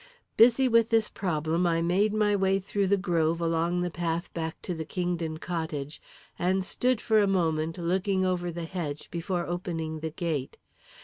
Busy with this problem, I made my way through the grove along the path back to the Kingdon cottage, and stood for a moment looking over the hedge before opening the gate.